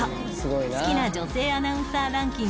好きな女性アナウンサーランキング